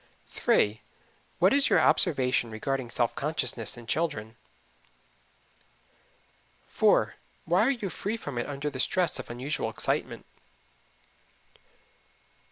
What is your observation regarding self consciousness in children? 4. Why are you free from it under the stress of unusual excitement?